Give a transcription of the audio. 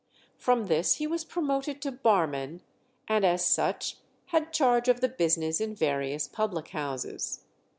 From this he was promoted to barman, and as such had charge of the business in various public houses.